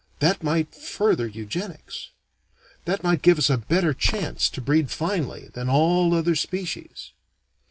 That might further eugenics. That might give us a better chance to breed finely than all other species.